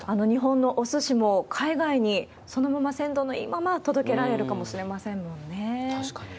日本のおすしも海外に、そのまま鮮度のいいまま届けられるかもしれませんものね。